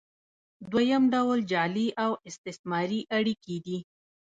دویم ډول جعلي او استثماري اړیکې دي.